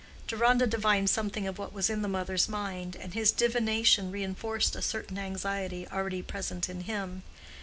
Deronda divined something of what was in the mother's mind, and his divination reinforced a certain anxiety already present in him.